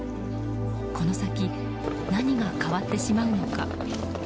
この先、何が変わってしまうのか。